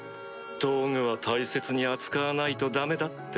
道具は大切に扱わないとダメだって。